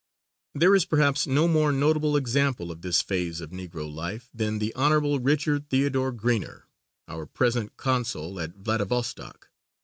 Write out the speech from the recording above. There is perhaps no more notable example of this phase of Negro life than the Hon. Richard Theodore Greener, our present Consul at Vladivostok.